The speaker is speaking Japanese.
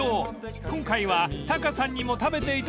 ［今回はタカさんにも食べていただきましょう］